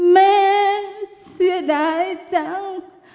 แม่เสียดายจัง